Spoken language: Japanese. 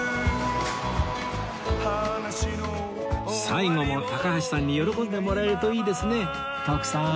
最後も高橋さんに喜んでもらえるといいですね徳さん